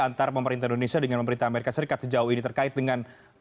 antara pemerintah indonesia dengan pemerintah amerika serikat sejauh ini terkait dengan